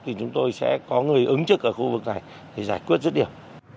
thì chúng tôi sẽ có người ứng trực ở khu vực này để giải quyết rất đều